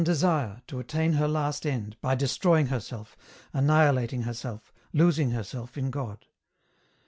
desire, to attain her last end, by destroying herself, annihi lating herself, losing herself in God.